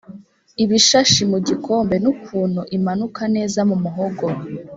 ibishashi mu gikombe nukuntu imanuka neza mu muhogo